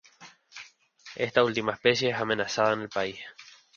Esta última es una especie amenazada en el país.